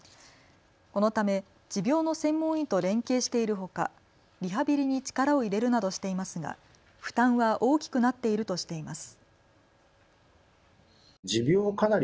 このため持病の専門医と連携しているほか、リハビリに力を入れるなどしていますが負担は大きくなっているとしています。